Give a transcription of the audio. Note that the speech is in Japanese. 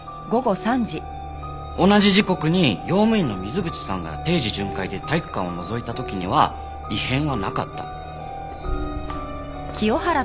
同じ時刻に用務員の水口さんが定時巡回で体育館をのぞいた時には異変はなかった。